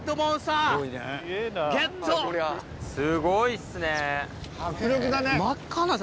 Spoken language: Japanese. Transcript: すごいっすね。